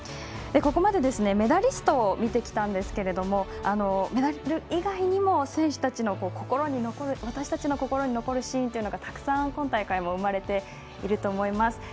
ここまで、メダリストを見てきたんですけれどもメダル以外にも私たちの心に残るシーンがたくさん今大会も生まれていると思います。